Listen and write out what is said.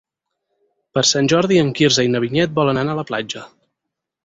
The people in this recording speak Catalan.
Per Sant Jordi en Quirze i na Vinyet volen anar a la platja.